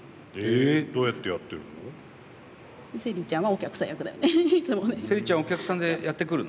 どうやってやってるの？